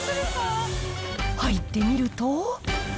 入ってみると。